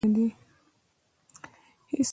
هیڅوک له قانون پورته نه دی